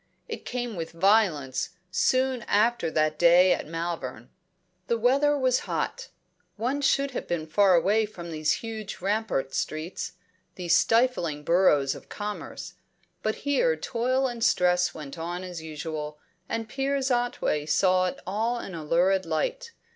It came with violence soon after that day at Malvern. The weather was hot; one should have been far away from these huge rampart streets, these stifling burrows of commerce. But here toil and stress went on as usual, and Piers Otway saw it all in a lurid light.